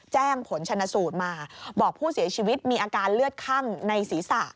แจ้งผลชนะสูตรมาบอกผู้เสียชีวิตมีอาการเลือดคั่งในศีรษะ